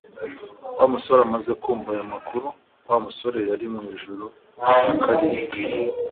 Wa musore amaze kumva ayo makuru, Wa musore yari mu ijuru rya karindwi